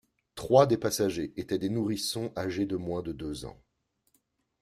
Trois des passagers étaient des nourrissons âgés de moins de deux ans.